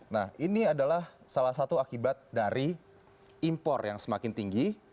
nah ini adalah salah satu akibat dari impor yang semakin tinggi